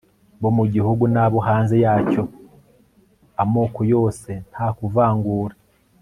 bo mugihugu n abo hanze yacyo amokoyose nta kuvangura